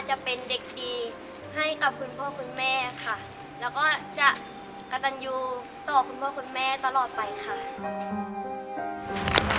จะเป็นเด็กดี